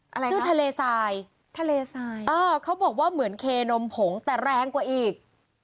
อะไรชื่อทะเลทรายทะเลทรายเออเขาบอกว่าเหมือนเคนมผงแต่แรงกว่าอีก